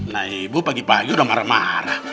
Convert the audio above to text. nah ibu pagi pagi udah marah marah